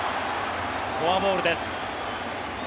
フォアボールです。